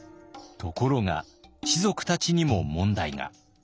ところが士族たちにも問題が。